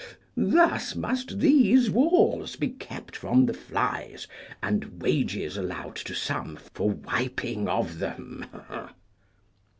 Thus must these walls be kept from the flies, and wages allowed to some for wiping of them.